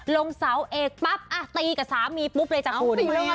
ลงเสาเอกปั๊บตีกับสามีปุ๊บเลยจ้ะ